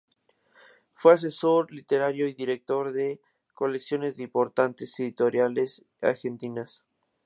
Fue asesor literario y director de colecciones de importantes editoriales argentinas.